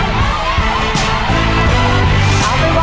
นี่ข้าวล่ะ